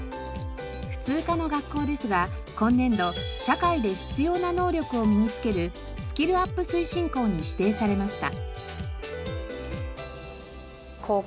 普通科の学校ですが今年度社会で必要な能力を身につけるスキルアップ推進校に指定されました。